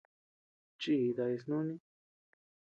Chii daya snuni.